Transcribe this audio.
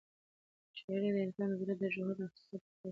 شاعري د انسان د زړه د ژورو احساساتو او افکارو ښکاره کولو وسیله ده.